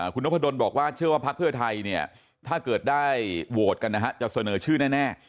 คุณนพดลบอกว่าเชื่อว่าพักเพื่อไทยเนี่ยถ้าเกิดได้โหวตกันนะฮะจะเสนอชื่อแน่